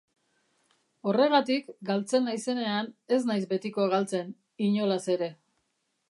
Horregatik, galtzen naizenean, ez naiz betiko galtzen, inolaz ere.